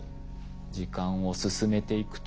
時間を進めていくと。